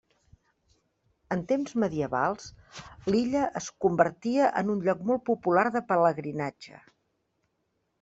En temps medievals, l'illa es convertia en un lloc molt popular de pelegrinatge.